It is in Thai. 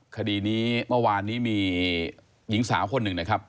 คดีนี้เมื่อวานนี้มีหญิงสาวคนหนึ่งนะครับ